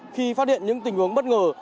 khi phát hiện những tình huống bất ngờ